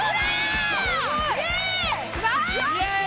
イエーイ！